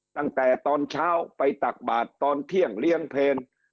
ตั้งแต่ตอนเช้าไปตักบาทตอนเที่ยงเลี้ยงเพลง